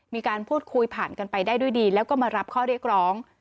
มีการพูดคุยผ่านกันไปได้ด้วยดีแล้วก็มารับข้อเรียกร้อง